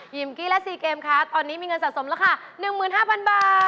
ิมกี้และซีเกมคะตอนนี้มีเงินสะสมราคา๑๕๐๐บาท